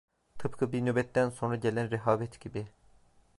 Tıpkı bir nöbetten sonra gelen rehavet gibi…